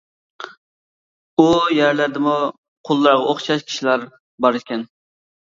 ئۇ يەرلەردىمۇ قۇللارغا ئوخشاش كىشىلەر بار ئىكەن.